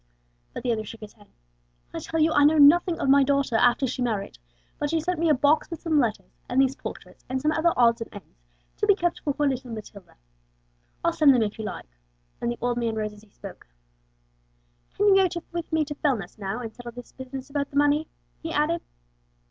But the other shook his head. "I tell you I know nothing of my daughter after she married; but she sent me a box with some letters and these portraits, and some other odds and ends, to be kept for her little Matilda. I'll send you them if you like;" and the old man rose as he spoke. "Can you go with me to Fellness now, and settle this business about the money?" he added.